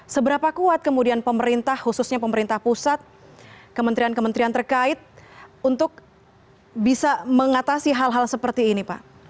seberapa kuat kemudian pemerintah khususnya pemerintah pusat kementerian kementerian terkait untuk bisa mengatasi hal hal seperti ini pak